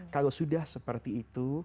kalau sudah seperti itu